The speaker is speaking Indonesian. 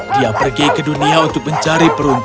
dia pergi ke dunia untuk mencari perunggu